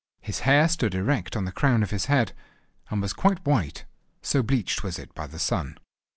His hair stood erect on the crown of his head, and was quite white, so bleached was it by the sun.